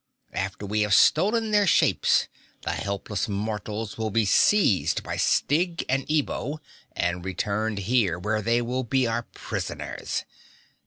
After we have stolen their shapes, the helpless mortals will be seized by Styg and Ebo and returned here, where they will be our prisoners.